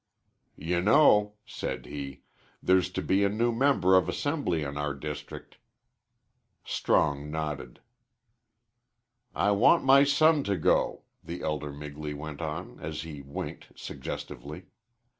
"You know," said he, "there's to be a new member of Assembly in our district." Strong nodded. "I want my son to go," the elder Migley went on, as he winked suggestively.